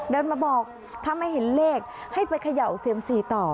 เดินมาบอกถ้าไม่เห็นเลขให้ไปเขย่าเซียมซีต่อ